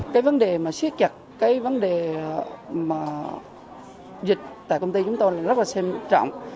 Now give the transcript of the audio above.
cái vấn đề mà siết chặt cái vấn đề dịch tại công ty chúng tôi là rất là xem trọng